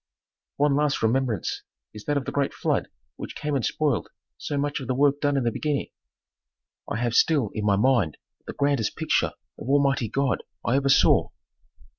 One last remembrance is that of the great flood which came and spoiled so much of the work done in the beginning; I have still in my mind the grandest picture of Almighty God I ever saw.